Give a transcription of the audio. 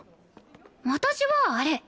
私はあれ。